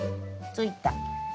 ついた！